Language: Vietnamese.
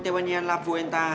tây ban nha la fuenta